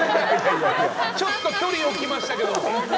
ちょっと距離置きましたけど。